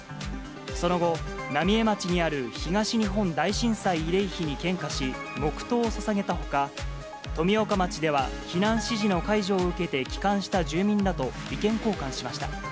その後、浪江町にある東日本大震災慰霊碑に献花し、黙とうをささげたほか、富岡町では避難指示の解除を受けて帰還した住民らと意見交換しました。